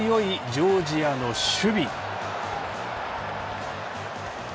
ジョージアの守備。